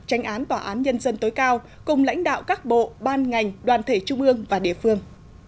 tránh án tòa án nhân dân tối cao cùng lãnh đạo các bộ ban ngành đoàn thể trung ương và địa phương